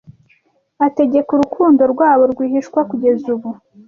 ategeka urukundo rwabo rwihishwa kugeza ubu